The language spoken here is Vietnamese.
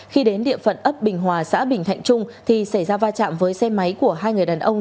khi đến địa phận ấp bình hòa xã bình thạnh trung thì xảy ra va chạm với xe máy của hai người đàn ông